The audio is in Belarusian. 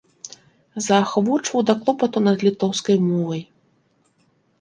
Заахвочваў да клопату над літоўскай мовай.